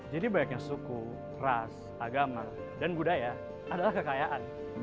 jadi banyaknya suku ras agama dan budaya adalah kekayaan